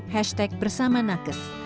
hashtag bersama nakes